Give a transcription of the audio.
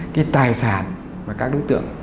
cái tài sản